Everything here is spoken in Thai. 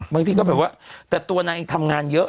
บางทีก็แบบว่าแต่ตัวนางเองทำงานเยอะ